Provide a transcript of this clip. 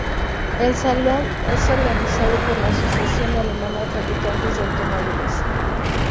El salón es organizado por la Asociación Alemana de Fabricantes de Automóviles.